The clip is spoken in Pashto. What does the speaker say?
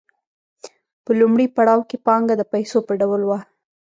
په لومړي پړاو کې پانګه د پیسو په ډول وه